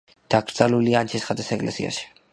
დაკრძალულია ანჩისხატის ეკლესიაში.